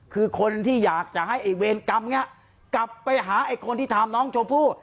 คือคนที่อยากจะให้ไอ้เวรกรรมนี้กลับไปหาไอ้คนที่ทำน้องชมพู่